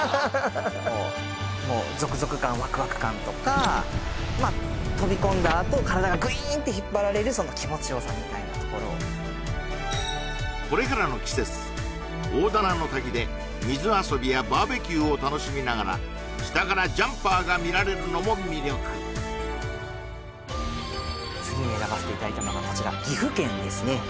もうゾクゾク感ワクワク感とか飛び込んだあと体がグイーンって引っ張られる気持ちよさみたいなこれからの季節大棚の滝で水遊びやバーベキューを楽しみながら下からジャンパーが見られるのも魅力次に選ばせていただいたのがこちら岐阜県ですね